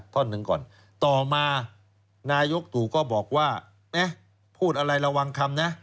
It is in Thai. ท่อนหนึ่งก่อนต่อมานายกตู่ก็บอกว่าพูดอะไรระวังคำนะ